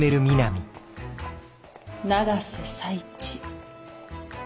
永瀬財地。